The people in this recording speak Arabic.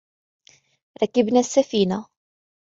ركبنا السفينة